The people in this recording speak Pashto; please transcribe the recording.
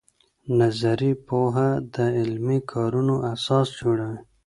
نظري پوهه د عملي کارونو اساس جوړوي.